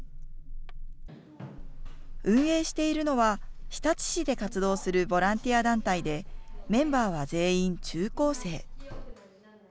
運営しているのは、日立市で活動するボランティア団体で、メンバーは全員中高生。